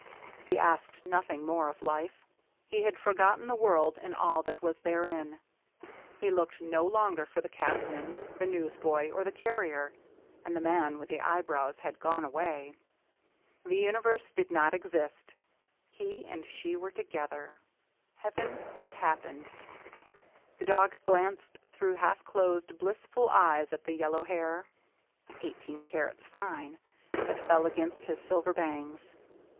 He asked nothing more of life. He had forgotten the world and all that was therein. He looked no longer for the cabman, the newsboy, or the carrier, and the man with the eyebrows had gone away. The universe did not exist; he and she were together. Heaven had happened. The LOVELINESS, 7 dog glanced through half closed^ blissful eyes at the yellow hair — "eighteen carats fine'* — that fell against his silver bangs.